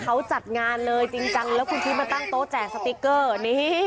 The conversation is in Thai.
เขาจัดงานเลยจริงจังแล้วคุณคิดมาตั้งโต๊ะแจกสติ๊กเกอร์นี่